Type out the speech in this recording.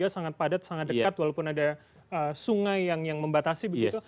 sangat padat sangat dekat walaupun ada sungai yang membatasi begitu